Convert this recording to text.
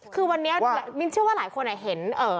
คือวันนี้มิ้นเชื่อว่าหลายคนเห็น